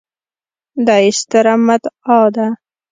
دا يې ستره مدعا ده